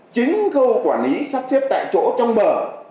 chính khâu quản lý sắp xếp tại chỗ trong bờ